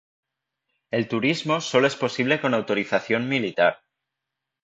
El turismo sólo es posible con autorización militar.